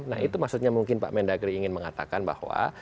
nah itu maksudnya mungkin pak mendagri ingin mengatakan bahwa